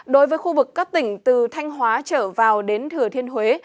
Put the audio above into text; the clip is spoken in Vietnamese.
đối với khu vực các tỉnh từ thanh hóa trở vào đến thừa thiên huế